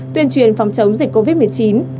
tuyên truyền phòng chống dịch covid một mươi chín